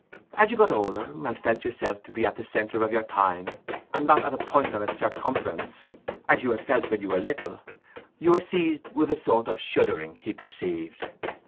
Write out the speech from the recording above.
As you got older, and felt yourself to be at the centre of your time, and not at a point in its circumference, as you had felt when you were little, you were seized with a sort of shuddering, he perceived.